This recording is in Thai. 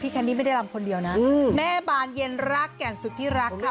แคนดี้ไม่ได้รำคนเดียวนะแม่บานเย็นรักแก่นสุดที่รักค่ะ